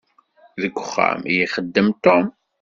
Deg uxxam i ixeddem Tom.